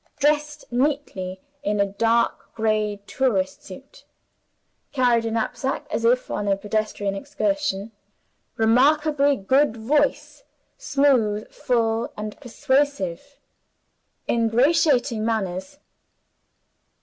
Dressed neatly in a dark gray tourist suit. Carried a knapsack, as if on a pedestrian excursion. Remarkably good voice, smooth, full, and persuasive. Ingratiating manners.